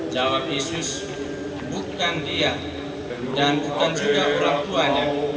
jawab yesus bukan dia dan bukan juga orang tuanya